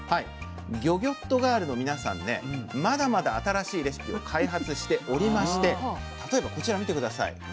魚魚っとガールの皆さんねまだまだ新しいレシピを開発しておりまして例えばこちら見て下さい。